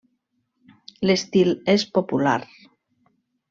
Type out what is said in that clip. L'estil és popular.